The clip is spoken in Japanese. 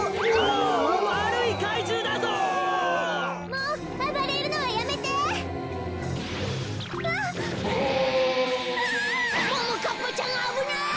ももかっぱちゃんあぶない！